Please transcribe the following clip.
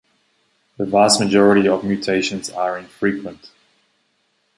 The vast majority of mutations are infrequent.